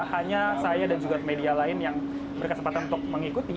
hanya saya dan juga media lain yang berkesempatan untuk mengikuti